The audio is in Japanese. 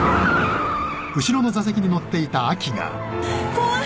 怖い！